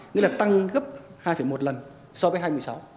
nghĩa là tăng gấp hai một lần so với hai nghìn một mươi sáu